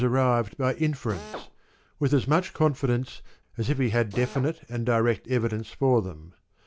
arrived by inference, with as much confidence as if he had definite and direct evidence for them.